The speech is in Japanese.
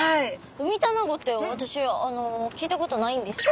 ウミタナゴって私あの聞いたことないんですけど。